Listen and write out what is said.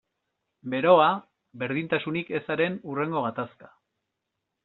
Beroa, berdintasunik ezaren hurrengo gatazka.